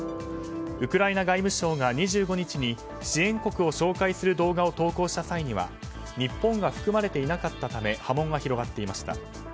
ウクライナ外務省が２５日に支援国を紹介する動画を投稿した際には日本が含まれていなかったため波紋が広がっていました。